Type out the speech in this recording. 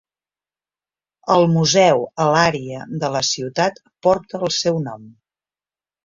El museu a l'àrea de la ciutat porta el seu nom.